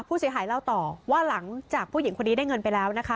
ผู้เสียหายเล่าต่อว่าหลังจากผู้หญิงคนนี้ได้เงินไปแล้วนะคะ